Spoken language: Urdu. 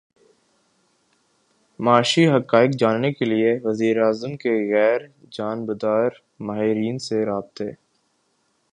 معاشی حقائق جاننے کیلیے وزیر اعظم کے غیر جانبدار ماہرین سے رابطے